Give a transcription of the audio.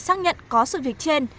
xác nhận có sự việc trên